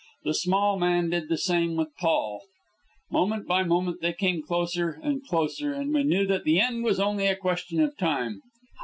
The small man did the same with Paul. Moment by moment they came closer, and closer, and we knew that the end was only a question of time.